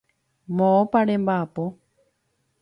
Moõpa remba'apo.